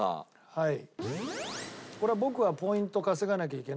はい。